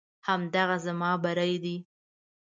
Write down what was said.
همدغه زما بری دی.